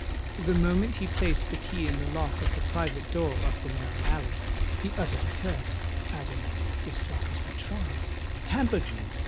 The moment he placed the key in the lock of the private door up the narrow alley, he uttered a curse, adding, "This lock has been tried—tampered with!